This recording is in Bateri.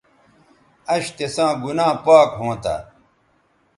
اش تساں گنا پاک ھونتہ